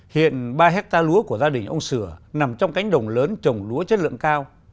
hiện ba hectare lúa của gia đình ông sửa nằm trong cánh đồng lớn trồng lúa chất lượng cao